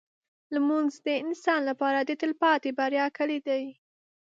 لمونځ د انسان لپاره د تلپاتې بریا کلید دی.